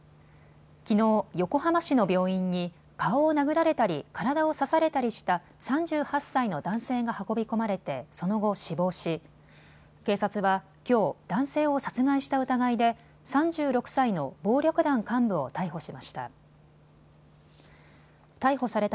きのう、横浜市の病院に顔を殴られたり体を刺されたりした３８歳の男性が運び込まれてその後、死亡し警察はきょう、男性を殺害した疑いで３６歳の暴力団幹部を逮捕しました。